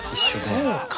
そうか。